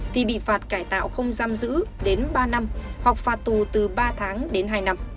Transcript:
thì bị phạt cải tạo không giam giữ đến ba năm hoặc phạt tù từ ba tháng đến hai năm